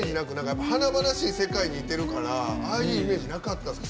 華々しい世界にいるからああいうイメージなかったです。